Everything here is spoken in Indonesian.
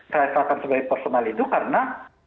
saya rasakan sebagai personal itu karena